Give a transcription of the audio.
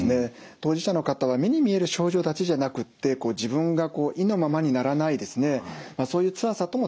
当事者の方は目に見える症状だけじゃなくって自分が意のままにならないですねそういうつらさとも闘ってるんですね。